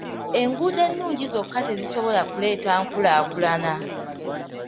Enguudo ennungi zokka tezisobola kuleeta nkulaakulana.